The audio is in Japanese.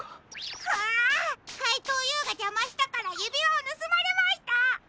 かいとうＵがじゃましたからゆびわをぬすまれました。